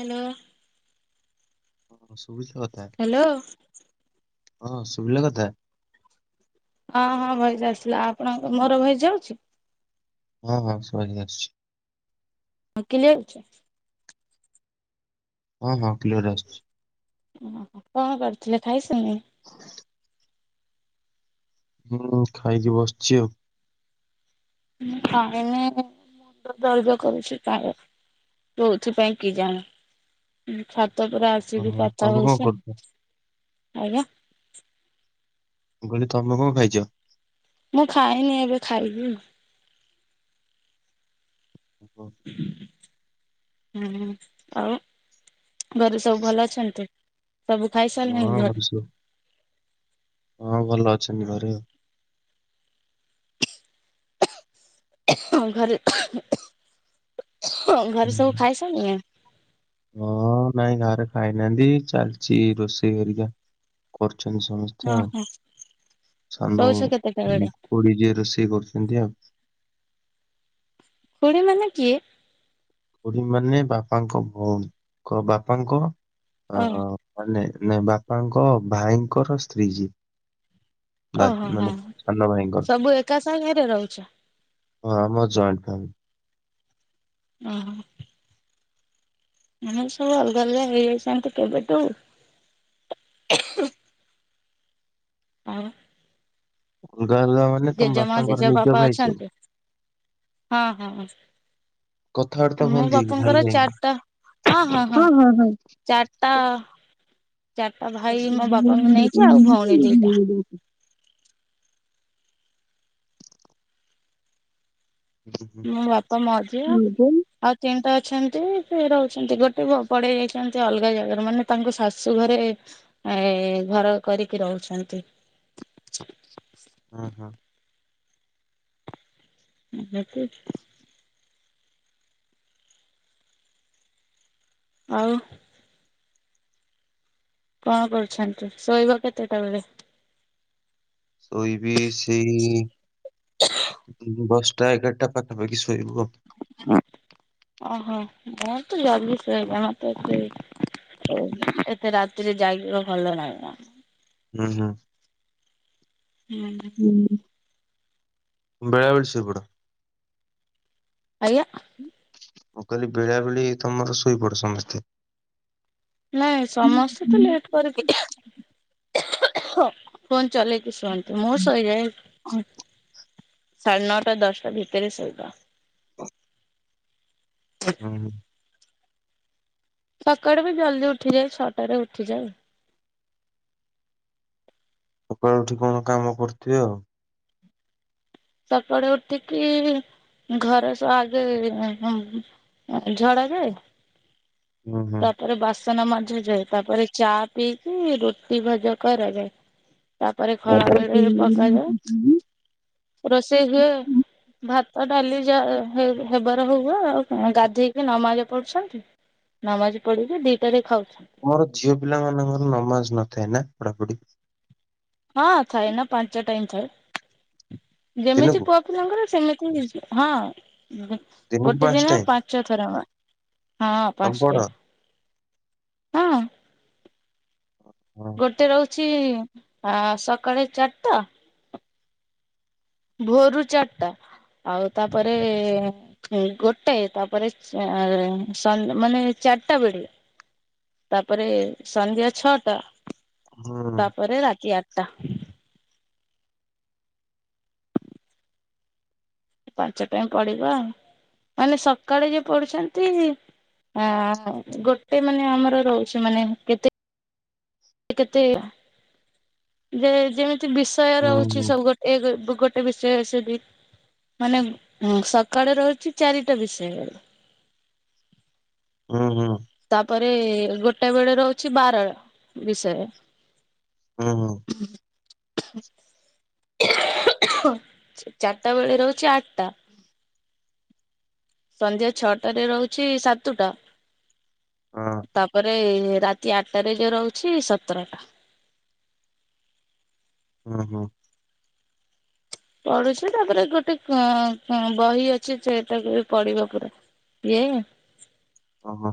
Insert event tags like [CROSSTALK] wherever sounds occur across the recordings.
Hello. ହଁ ଶୁବୁଚି କଥା? ହ୍ୟାଲୋ। ହଁ ଶୁବିଲା କଥା? ହଁ ହଁ ଭଏସ ଆସିଲା ଆପଣଙ୍କ ମୋର ଭଏସ ଯାଉଛି? ହଁ ହଁ [UNINTELLIGIBLE] ଆସୁଛି। ହ କିଲଉଚି। ହଁ ହଁ କ୍ଲିୟର ଆସୁଛି। ଓହୋ କଣ କରୁଥିଲେ ଖାଇସାଲ ହ ହୁଁ ଖାଇକି ବସିଛି ଆଉ। ମୁଁ ଖାଇନି ଜଳଖିଆ କରୁଛି କାଳେ। କୋଉଥି ପାଇଁ କି ଜାଣ। ଛାତ ଉପରେ ଆସିକି ଓହୋ କଥା ତମେ କଣ ହଉଛି କରୁଛ ଆଜ୍ଞା। ମୁଁ କହଲି ତମେ କଣ ଖାଇଛ? ମୁଁ ଖାଇନି ଏବେ ଖାଇବି। ହୁଁ ହୁଁ ଆଉ ଘରେ ସବୁ ଭଲ ଅଛନ୍ତି ସବୁ ଖାଇ ହଁ ସାରିଲେଣି ଘରେ? ସବୁ ହଁ ଭଲ ଅଛନ୍ତି ଘରେ ଆଉ। ଘରେ ଘରେ ହୁଁ ସବୁ ହୁଁ। ଖାଇସାଇଲେଣି? ହଁ ନାଇଁ ଘାରେ ଖାଇନାହାନ୍ତି ଚାଲିଛି ରୋଷେଇ ହେରିକା କରୁଛନ୍ତି ସମସ୍ତେ। ଆଛା ଓହୋ ସାନ ଶୋଉଛ କେତେଟା ବେଳେ ଖୁଡି ଯିଏ ରୋଷେଇ କରୁଛନ୍ତି ଆଉ। ଖୁଡ଼ି ମାନେ କିଏ? ଖୁଡ଼ି ମାନେ ବାପାଙ୍କ ଭଉଣୀଙ୍କ ବାପାଙ୍କ ଓ ଅ ମାନେ ନାଇ ବାପାଙ୍କ ଭାଇଙ୍କର ସ୍ତ୍ରୀ ଯିଏ। ବା ଓହୋ ମାନେ ହୋ ସାନ ଭାଇଙ୍କ ସବୁ ଏକା ସାଙ୍ଗରେ ରହୁଛ? ହଁ ଆମର ଜଏଣ୍ଟ ଫ୍ୟାମିଲି। ଅହଁ। ଆମେ ସବୁ ଅଲଗା ଅଲଗା ହେଇଯାଇଛନ୍ତି କେବେଠୁ। ଆଁ। ଅଲଗା ମାନେ ତମ ଜେଜେମା ବାପାଙ୍କର ନିଜ ଭାଇ ସେ? ହଁ-ହଁ କଥାବାର୍ତ୍ତା ମୋ ହୁଅନ୍ତି କି ଭାଇ ବାପାଙ୍କର ଭାଇ ଚାରିଟା ହଁ-ହଁ-ହଁ। ହଁ ହଁ ହଁ ଚାରିଟା ଚାରିଟା ଭାଇ ମୋ ବାପାଙ୍କୁ ନେଇଛି ହୁଁ ଆଉ ଭଉଣୀ ଦିଟା। ହୁଁ ମୁଁ ବାପା ମାଝିଆ ହଁ ଆଉ ତିନିଟା ଅଛନ୍ତି ସେ ରହୁଛନ୍ତି ଗୋଟେ ପଡେଇ ଯାଇଛନ୍ତି ଅଲଗା ଜାଗାରେ ମାନେ ତାଙ୍କ ଶାଶୁ ଘରେ ଏ ଘର କରିକି ରହୁଛନ୍ତି। ହୁଁ-ହୁଁ। [UNINTELLIGIBLE] ଆଉ କଣ କରୁଛନ୍ତି ଶୋଇବ କେତେଟା ବେଳେ? ଶୋଇବି ସେଇ ବଶ୍ ଟାଏଗାରଟା ପାଖାପାଖି ଶୋଇବୁ ଆଉ। ଓହୋ ମର ତ ଜଲଦି ଶୋଇବ [UNINTELLIGIBLE] ଏତେ ରାତିରେ ଯାଗିବ ଭଲ ନାହିଁମ। ହୁଁ। [UNINTELLIGIBLE] ବେଳେବେଳେ ଶୋଇପଡ଼। ଆଜ୍ଞା? ମୁଁ କଲି ବେଳାବେଳି ତମର ଶୋଇପଡ ସମସ୍ତେ? ନାଇଁ ସମସ୍ତେ ତ ଲେଟ କରିକି ଫୋନ୍ ଚଲେଇକି ଶୁଅନ୍ତି ମୁଁ ଶୋଇଯାଏ [INAUDIBLE] ସାଢ଼େ ନଅଟା ଦଶଟା ଭିତରେ ଶୋଇବା। ହୁଁହୁଁ। ସକାଳୁ ବି ଜଲ୍ଦି ଉଠିଯାଏ ଛଅ ଟାରେ ଉଠିଯାଏ। ସକାଳୁ ଉଠି କଣ କାମ କରୁଥିବ ଆଉ। ସକାଳେ ଉଠିକି ଘର ସ ଆଗେ ଏଁ ଏଁ [INAUDIBLE] ଆଗେ ଝଡ଼ା ଯାଏ ହୁଁ ହୁଁ। ତାପରେ ବାସ ସନ ମଜାଯାଏ ତାପରେ ଚା ପିଇକି ରୁଟି ଭଜା କରାଯାଏ। ତାପରେ ଖଳା ବେଳେ ପକାଯାଏ। ରୋଷେଇ ହୁଏ ଭାତ ଡାଲି ଯା ହେ ହେବାର ହୁଏ ଆଉ ଗାଧେଇ କି ନମାଜ ପଢୁଛନ୍ତି ନମାଜ ପଢିକି ଦିଟାରେ ଖାଉଛନ୍ତି। ମର ଝିଅ ପିଲା ମାନଙ୍କର ନମାଜ ନଥାଏ ନା ପଢାପଢି? ହଁ ଥାଏ ନା ପାଞ୍ଚ ଟାଇମ୍ ଥାଏ ଯେମିତି ଦିନକୁ ପୁଅ ପିଲାଙ୍କର ସେମିତି ହଁ [INAUDIBLE] ଦିନକୁ ଗୋଟେ ପାଞ୍ଚ ଦିନ ଟାଇମ୍? ପାଞ୍ଚ ଥର ହଁ ତମେ ପାଞ୍ଚ ପଢ ଟାଇମ୍ ହଁ। ହଁ ଗୋଟେ ରହୁଛି ଆଁ ସକାଳେ ଚାରିଟା ଭୋରୁ ଚାରିଟା ଆଉ ତାପରେ ଏ ଗୋଟେ ତାପରେ ସେଏ ସ ଲ ମାନେ ଚାରିଟା ବେଳେ। ତାପରେ ସନ୍ଧ୍ୟା ଛଅଟା ହୁଁ ତାପରେ ରାତି ଆଠଟା। ପାଞ୍ଚ ଟାଇମ୍ ପଡିବ ଆଉ ମାନେ ସକାଳେ ଯିଏ ପଢୁଚନ୍ତି ଆଁ ମ ଗୋଟେ ମାନେ ଆମର ରହୁଛି ମାନେ କେତେ କେତେ ଯେ ଯେମିତି ବିଷୟ ହୁଁ ହୁଁ ରହୁଛି ସବୁ ଗୋ [UNINTELLIGIBLE] ଗୋଟେ ବିଷୟ [UNINTELLIGIBLE] ମାନେ ହଁ ସକାଳେ ରହୁଚି ଚାରିଟା ବିଷୟ। ହୁଁ ହୁଁ। ତାପରେ ଗୋଟେ ବେଳେ ରହୁଛି ବାରଳ ବିଷୟ। ହୁଁ ହୁଁ। [INAUDIBLE] ଚାରିଟା ବେଳେ ରହୁଛି ଆଠଟା। ସନ୍ଧ୍ୟା ଛଅଟାରେ ରହୁଛି ସାତଟା ହଁ ତାପରେ ରାତି ତି ଆଟାରେ ଯୋଉ ରହୁଚି ସତରଟା। ଓହୋ। ପଢୁଛି ତାପରେ ଗୋଟେ କଂକ ବହି ଅଛି ସେଟାକୁ ବି ପଢିବ ପୁରା। କିଏ ଓହୋ।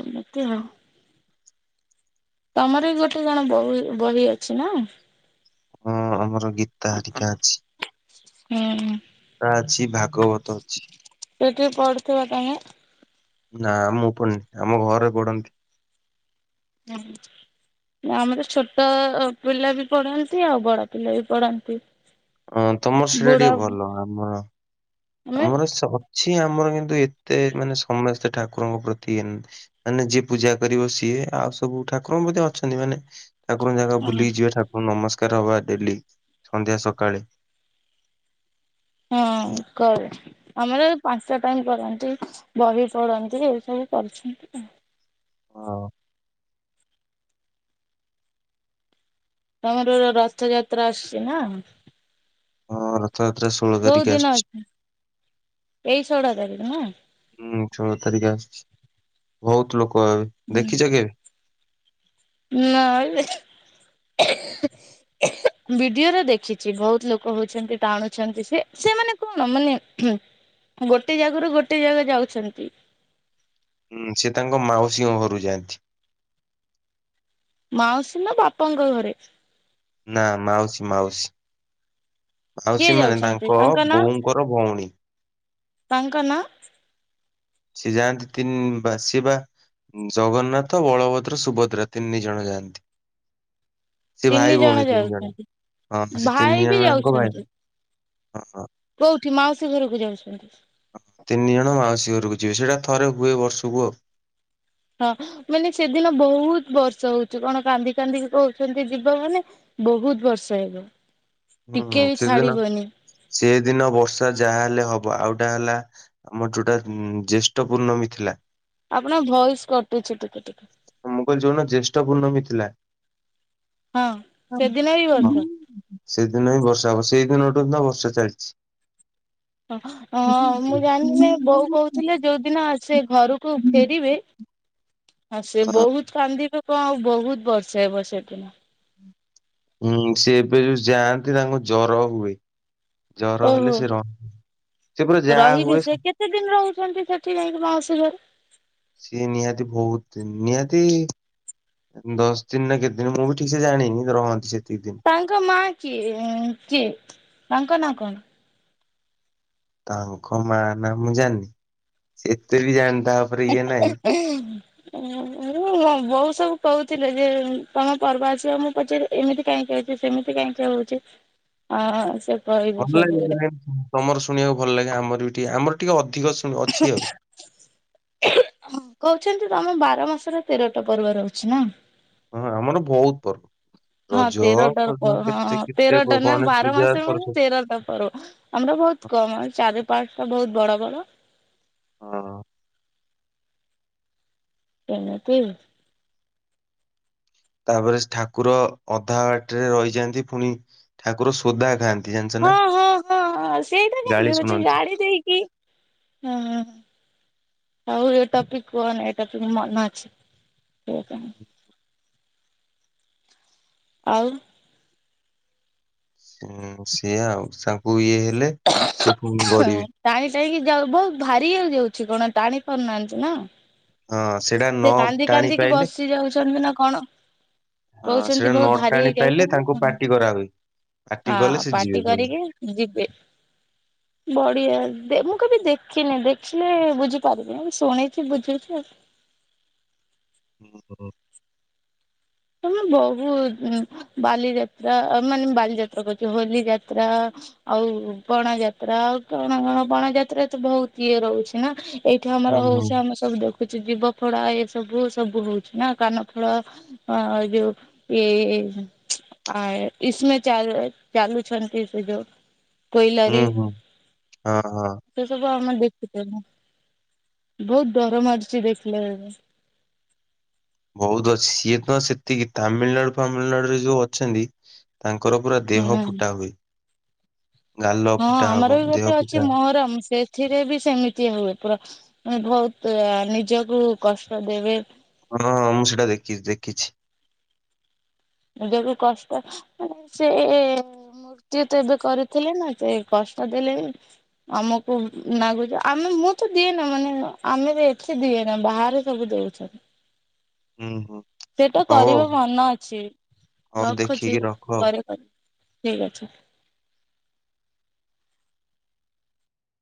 ଏମିତି ଆଉ। ତମର ବି ଗୋଟେ ଜଣେ ବଉ ବହି ଅଛି ନା। ହଁ ଆମର ଗୀତା ହରିକା ଅଛି। ହୁଁଁହୁଁ। ତା ଅଛି ଭାଗବତ ଅଛି। ସେଇଠି ପଢୁଥିବ ତମେ? ନା ମୁଁ ପଡନି ଆମ ଘରେ ପଢ଼ନ୍ତି। [INAUDIBLE] ନା ଆମର ଛୋଟ ପିଲା ବି ପଢନ୍ତି ଆଉ ବଡ ପିଲା ବି ପଢନ୍ତି। ହଁ ତମର ସେଟା ବୁଢା ଟିକେ ଭଲ ଆମର ଆମେ ଆମର ସ ଅଛି ଆମର କିନ୍ତୁ ଏତେ ମାନେ ସମସ୍ତେ ଠାକୁରଙ୍କ ପ୍ରତି ଇଏ ନୁହନ୍ତି। ମାନେ ଯିଏ ପୂଜା କରିବ ସିଏ ଆଉ ସବୁ ଠାକୁର ପ୍ରତି ଅଛନ୍ତି ମାନେ ଠାକୁର ଯାକା ବୁଲିକି ଯିବେ ଠାକୁର ନମସ୍କାର ହବା ଡେଲି ସନ୍ଧ୍ୟା ସକାଳେ। ହଁ କରେ। ଆମର ପାଞ୍ଚଟା ଟାଇମ କରନ୍ତି ବହି ପଢନ୍ତି ଏ ସବୁ କରୁଚନ୍ତି ଆଉ। ହଁ। ତମର ରଥଯାତ୍ରା ଆସୁଚି ନା। ହଁ ରଥଯାତ୍ରା ଷୋଳ କୋଉ ତାରିଖ ଦିନ ଆସୁଚି। ଅଛି ଏଇ ଷୋହଳ ତାରିଖ ନା? ହୁଁ ଷୋଳ ତାରିଖ ଆସୁଚି ବହୁତ ଲୋକ ହେବେ ହୁଁ। ଦେଖିଚ କେବେ? [UNINTELLIGIBLE] ଭିଡିଓରେ ଦେଖିଚି ବହୁତ ଲୋକ ହଉଛନ୍ତି ଟାଣୁଛନ୍ତି ସେ ସେମାନେ କଣ ମାନେ ହୁଁ ଗୋଟେ ଜାଗାରୁ ଗୋଟେ ଜାଗା ଯାଉଛନ୍ତି। ହୁଁ ସେ ତାଙ୍କ ମାଉସୀଙ୍କ ଘରୁ ଯାଆନ୍ତି। ମାଉସୀ ନା ବାପାଙ୍କ ଘରେ? ନା ମାଉସୀ ମାଉସୀ। କିଏ ମାଉସୀ ମାନେ ଯାଉଛନ୍ତି ତାଙ୍କ ନାଁ ବୋଉଙ୍କର ଭଉଣୀ। ତାଙ୍କ ନାଁ? ସି ଯାଆନ୍ତି ତିନି ବା ସିଏବା ଜଗନ୍ନାଥ ବଳଭଦ୍ର ସୁଭଦ୍ରା ତିନି ଜଣ ଯାଆନ୍ତି। ସେ ତିନି ଭାଇ ଜଣ ଭଉଣୀ ତିନି ଜଣ ଯାଉଛନ୍ତି ହଁ ସେ ଭାଇ ତିନି ବି ଜଣ ଜାଙ୍କ ଭାଇ ଯାଉଛନ୍ତି ହ ହଁ କୋଉଠି ମାଉସୀ ଘରକୁ ଯାଉଚନ୍ତି? ତିନି ଜଣ ମାଉସୀ ଘରକୁ ଯିବେ ସେଇଟା ଥରେ ହୁଏ ବର୍ଷ କୁ ଆଉ। ହଁ ମାନେ ସେଦିନ ବହୁତ ବର୍ଷ ହଉଚି କଣ କାନ୍ଦି କାନ୍ଦିକି କହୁଚନ୍ତି ଯିବା ମାନେ ବହୁତ ବର୍ଷା ହେବ ଟିକେ ବି ଛାଡିବନି। ସେ ଦିନ ବର୍ଷା ଯାହା ହେଲେ ହବ। ଆଉଟା ହେଲା ଆମର ଯୋଉଟା ଜ୍ୟେଷ୍ଠ ପୂର୍ଣ୍ଣମୀ ଥିଲା। ଆପଣଙ୍କ ଭଇସ କଟୁଛି ଟିକେ ଟିକେ। ମୁ କଇଲି ଯୋଉଦିନ ଜ୍ୟେଷ୍ଠ ପୂର୍ଣ୍ଣମୀ ଥିଲା। ହଁ ସେଦିନ ବି ବର୍ଷା ସେଦିନ ହିଁ ବର୍ଷା ହବ ସେଇଦିନଠୁ ତ ବର୍ଷା ଚାଲିଚି। ହଁ ମୁଁ ଜାଣିନି ବୋଉ କୋହୁ ଥିଲେ ଯୋଉଦିନ ସେ ଘରକୁ ଫେରିବେ ହ ସେ ବହୁତ କାନ୍ଦିିବି କ ବହୁତ ବର୍ଷା ହେବ ସେଦିନ। ହୁଁ ସେ ଏବେ ଯୋଉ ଯାଆନ୍ତି ତାଙ୍କୁ ଜର ହୁଏ। ଜର ହେଲେ ଓହୋ। ସେ ରହ ସେ ପୁରା ଯାହା ରହିବେ ହୁଏ ସେ କେତେ ଦିନ ରହିଚନ୍ତି ସେଠି ଯାଇଁକି ମାଉସି ଘରେ? ସିଏ ନିହାତି ବହୁତ୍ ଦିନ୍ ନିହାତି ଦଶ୍ ଦିନ୍ ନା କେତେ ଦିନ୍ ମୁଁ ବି ଠିକ୍ ସେ ଜାଣିନି, ରହନ୍ତି ସେତିକି ଦିନ୍। ତାଙ୍କ ମା କିଏ ଅଁ କିଏ ତାଙ୍କ ନାଁ କଣ? ତାଙ୍କ ମା ନା ମୁଁ ଜାନନି। ସେ ଏତେ ବି ଜାଣିତା ହଁ ବୋଉ ସବୁ କହୁଥିଲେ ଯେ ତମ ପର୍ବ ଆସିବ ମୁଁ ପଚାରି ଏମିତି କାହିଁକି ହେଉଚି ସେମିତି କାହିଁକି ହେଉଚି। ଅ ସେ ଭଲ ଲାଗେ ତମର ଶୁଣିବାକୁ ଭଲ ଲାଗେ ଆମର ବି ଟିକେ ଆମର ଟିକେ ଅଧିକ ଶୁ ଅଛି ଆଉ। କହୁଚନ୍ତି ତମ ବାର ମାସରେ ତେରଟା ପର୍ବ ରହୁଚି ନା। ହଁ ଆମର ବୋହୁତ୍ ପର୍ବ। ହଁ ରଜ ତେରଟା ପ ଫଜ ହଁ କେତେ କେତେ ପ ତେରଟା ନା ଗଣେଶ ବାର ପୂଜା ମାସ ମାନେ ସରସ୍ଵତୀ ତେରଟା ପର୍ବ। ଆମର ବହୁତ୍ କମ୍ ଆ ଚାରି ପାଞ୍ଚ ଟା ବହୁତ୍ ବଡ ବଡ ହଁ। ଏମ୍ତି। ତାପରେ ଠାକୁର ଅଧା ବାଟ୍ରେ ରହିଯାନ୍ତି, ପୁଣି ଠାକୁର ସୋଦା ଖାଆନ୍ତି। ଜାଣିଛ ହଁ ନା ହଁ ହଁଁ ସେଇଟା କାଇଁ ଗାଳି ହଉଚି ଶୁଣନ୍ତି। ଗାଳି ଦେଇକି ହଁ। ଆଉ ଏ ଟପିକ କୁହନି ଏ ଟପିକ୍ ମନେ ଅଛି ସେଇ ପାଇଁ। ଆଉ। ହଁ ସିଏ ଆଉ ତାଙ୍କୁ ଇଏ ହେଲେ ସେ ପୁଣି ବଢିବେ। ଟାଣି ଟେଇକି ଯାଉ, ବୋହୁତ୍ ଭାରି ହେଇ ଯାଉଛି କଣ ଟାଣି ପାରୁନାହାନ୍ତି ନା। ହଁ ସେଇଟା ନ ସେ କାନ୍ଦି ଟାଣି କାନ୍ଦିକି ପାଇଲେ ବସି ଯାଉଛନ୍ତି ନା କଣ। ହଁ କହୁଛନ୍ତି, ସେଇଟା ବୋହୁତ୍ ନ ଭାରି ଟାଣି ପାଇଲେ ହେଇଯାଉଛନ୍ତି ତାଙ୍କୁ ନା ପାଟି କରାହୁଏ ପାଟି କଲେ ହଁ ସେ ଯିବେ ପାର୍ଟି ପୁଣି। କରିକି। ଯିବେ। ବଢିଆ ଦେ ମୁଁ କେବେ ଦେଖିନି, ଦେଖିଲେ ବୁଝିପାରିବି ଶୁଣିଛି ବୁଝୁଛି ଆଉ। ହଁ ହ। ତମେ ବୋହୁତ୍ ଅ, ବାଲିଯାତ୍ରା ମାନେ ବାଲିଯାତ୍ରା କହୁଚି ହୋଲି ଯାତ୍ରା ଆଉ ପଣା ଯାତ୍ରା ଆଉ କଣ କଣ ପଣା ଯାତ୍ରା ତ ବୋହୁତ୍ ଇଏ ରହୁଛି ନା। ଏଇଠି ହୁଁ ଆମର ହୁଁ ହଉଛି, ଆମେ ସବୁ ଦେଖୁଛି ଜୀବ ଫଡା ଏ ସବୁ ସବୁ ହଉଛି ନା କାନ ଫୁଲ ହଁ ଆଉ ଯୋଉ ଇଏ ଆଏ ଇସମେ ଚା ଚାଲୁଛନ୍ତି ସେ ଯୋଉ କୋଇଲାରେ। ହୁଁ ହୁଁ, ହଁ ହଁ। ସେ ସବୁ ଆମେ ଦେଖିପାରୁ ବୋହୁତ୍ ଡର ମାଡୁଛି ଦେଖିଲା ବେଳକୁ। ବୋହୁତ୍ ଅଛି ସିଏ ତ ସେତିକି, ତାମିଲ୍ ନାଡୁ ଫାମିଲ୍ ନାଡୁ ରେ ଯୋଉ ଅଛନ୍ତି ତାଙ୍କର ପୁରା ଦେହ ହୁଁ। ଫୁଟା ହୁଏ। ଗାଲ ହଁ ଫୁଟା ହବ ଆମର ବି ଦେହ ଗୋଟେ ଅଛି ଫୁଟା ମହରମ ସେ ଥିରେ ବି ସେମିତି ହୁଏ, ପୁରା ବହୁତ ନିଜକୁ କଷ୍ଟ ଦେବେ। ହଁ ହଁ ମୁଁ ସେଟା ଦେଖିଚି ଦେଖିଚି। ନିଜକୁ କଷ୍ଟ ମାନେ ସେ ମୃତ୍ୟୁ ତ ଏବେ କରିଥିଲେ ନା ସେ କଷ୍ଟ ଦେଲେଣି। ଆମକୁ ନାଗୁଛି, ଆମେ ମୁଁ ତ ଦିଏ ନା ମାନେ ଆମେ ବି ଏଠି ଦିଏନା ବାହାରେ ସବୁ ଦଉଛନ୍ତି। ହୁଁ ହଁ ସେଟା କରିବା ମନା ଅଛି ହଉ ରଖୁଛି ଦେଖିକି ରଖ ଆଉ। ପରେ କରିବି ଠିକ୍ ଅଛି।